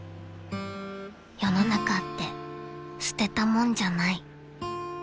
［世の中って捨てたもんじゃない］